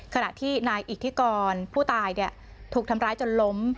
ขณะที่นายอิทธิกรผู้ตายถูกทำร้ายจนล้ม